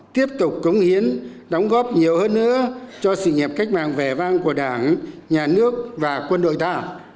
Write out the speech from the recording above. tiếp tục cống hiến đóng góp nhiều hơn nữa cho sự nghiệp cách mạng vẻ vang của đảng nhà nước và quân đội ta